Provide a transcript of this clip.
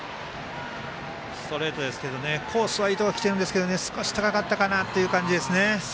ストレートですけどコースはいいところきてるんですけど少し高かったかなという感じですね。